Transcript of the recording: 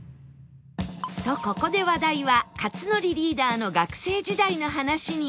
とここで話題は克典リーダーの学生時代の話に